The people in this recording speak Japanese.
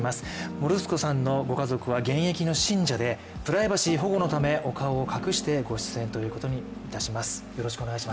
もるすこさんのご家族は現役の信者でプライバシー保護のためお顔を隠してご出演ということにいたします。